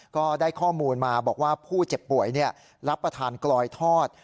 ก็ได้ข้อมูลมาบอกว่าผู้เจ็บป่วยรับประทานกลอยทอด